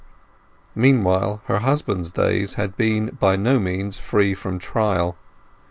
Meanwhile her husband's days had been by no means free from trial.